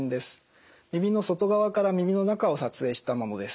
耳の外側から耳の中を撮影したものです。